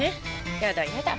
やだやだ。